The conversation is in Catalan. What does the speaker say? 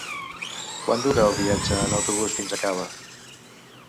Quant dura el viatge en autobús fins a Cava?